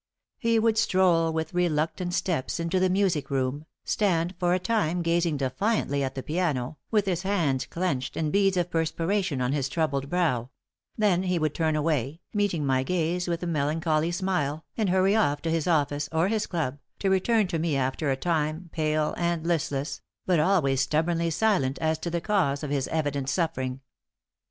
He would stroll with reluctant steps into the music room, stand for a time gazing defiantly at the piano, with his hands clenched and beads of perspiration on his troubled brow; then he would turn away, meeting my gaze with a melancholy smile, and hurry off to his office or his club, to return to me after a time pale and listless, but always stubbornly silent as to the cause of his evident suffering.